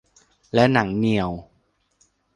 และหนังเหนี่ยว